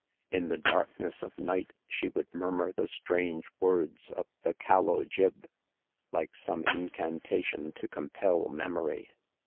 In the darkness of night she would murmur the strange words of the calo jib," like some incantation to compel memory.